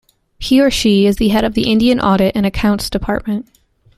He or she is the head of Indian Audit and Accounts Department.